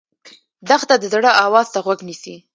دښته د زړه آواز ته غوږ نیسي.